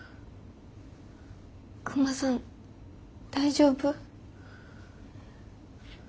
クマさん大丈夫？